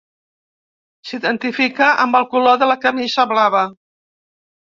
S'identifica amb el color de camisa blava.